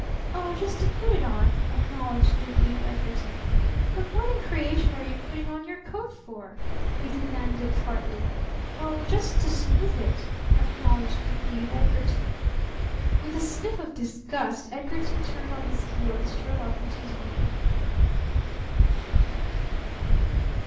"Oh, just to put it on," acknowledged little Eve Edgarton. "But what in creation are you putting on your coat for?" he demanded tartly. "Oh, just to smooth it," acknowledged little Eve Edgarton. With a sniff of disgust Edgarton turned on his heel and strode off into his own room.